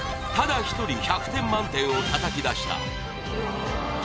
ただ一人１００点満点を叩き出した。